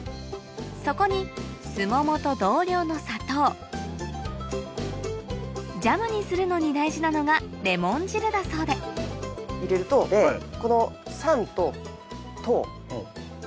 そこにスモモと同量の砂糖ジャムにするのに大事なのがレモン汁だそうで入れるとこの。